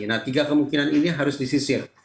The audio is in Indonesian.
nah tiga kemungkinan ini harus disisir